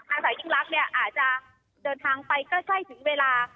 อาศัยหญิงลักษณ์เนี่ยอาจจะเดินทางไปก็ใกล้ถึงเวลา